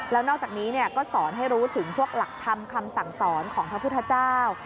แล้วนอกจากนี้ก็สอนให้รู้ถึงพวกหลักธรรมคำสั่งสอนของพระพุทธเจ้า